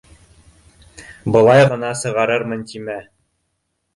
Былай ғына сығарырмын тимә!